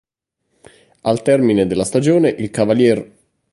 Al termine della stagione il Cav.